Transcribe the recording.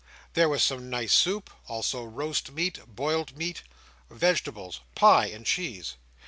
There was some nice soup; also roast meat, boiled meat, vegetables, pie, and cheese.